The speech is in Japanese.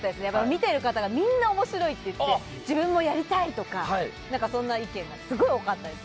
見てる方がみんな面白いって言って自分もやりたいとかそんな意見がすごく多かったです。